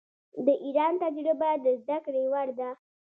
د ایران تجربه د زده کړې وړ ده.